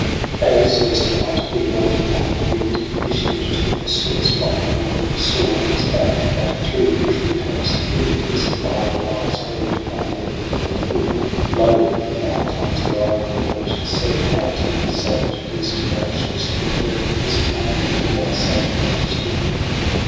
7 ' As yesternight we rode upon the wind He issued to pursue us from the wood ; We saw his back, that through the tree tops finn'd. His fiery eyes glared from their wrinkl'd hood. Lo, now betimes the oracle, which said How to the savage beast thou shouldst be wed. Is plainly for thy safety understood.